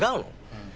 うん。